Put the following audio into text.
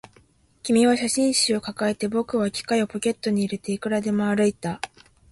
君は写真集を抱えて、僕は機械をポケットに入れて、いくらでも歩いた